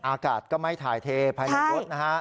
อากาศก็ไม่ถ่ายเทภายในรถนะฮะ